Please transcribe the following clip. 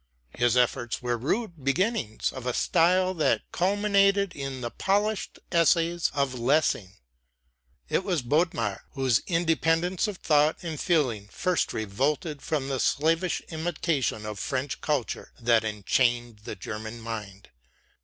His efforts were rude beginnings of a style that culminated in the polished essays of Lessing. It was Bodmer whose independence of thought and feeling first revolted from the slavish imitation of French culture that enchained the German mind.